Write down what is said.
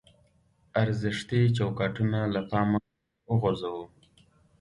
ارزښتي چوکاټونه له پامه وغورځوو.